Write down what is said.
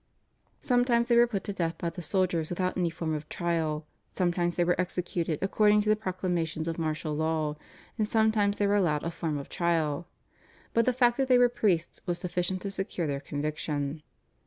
Sometimes they were put to death by the soldiers without any form of trial, sometimes they were executed according to the proclamations of martial law, and sometimes they were allowed a form of trial. But the fact that they were priests was sufficient to secure their conviction.